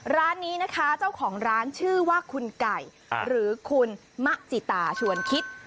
ร้านนี้นะคะเจ้าของร้านชื่อว่าคุณไก่หรือคุณมะจิตาชวนคิด